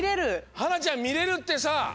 はなちゃんみれるってさ！